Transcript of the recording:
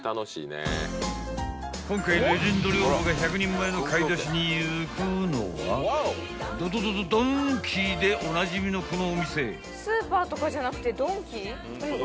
［今回レジェンド寮母が１００人前の買い出しに行くのはドドドドドンキでおなじみのこのお店］